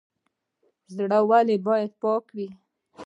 زړه ولې باید پاک وي؟